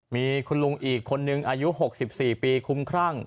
มีคุณลุงอีกคนนึงอายุ๖๔ปีคุ้มครั่ง